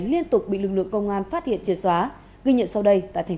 liên tục bị lực lượng công an phát hiện chìa xóa ghi nhận sau đây tại tp đà nẵng